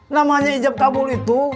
namanya ijab kabul itu